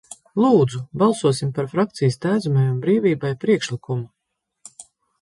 "Lūdzu, balsosim par frakcijas "Tēvzemei un brīvībai" priekšlikumu!"